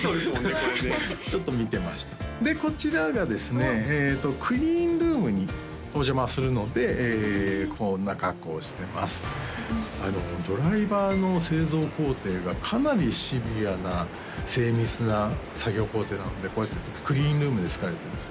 これねちょっと見てましたでこちらがですねクリーンルームにお邪魔するのでこんな格好をしてますドライバーの製造工程がかなりシビアな精密な作業工程なのでこうやってクリーンルームで作られています